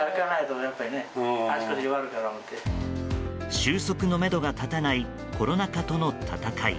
終息のめどが立たないコロナ禍との闘い。